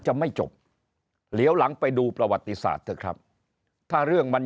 จะไม่จบเหลียวหลังไปดูประวัติศาสตร์เถอะครับถ้าเรื่องมัน